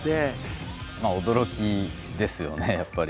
驚きですよねやっぱり。